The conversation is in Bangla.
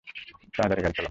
তাড়াতাড়ি গাড়ি চালাও।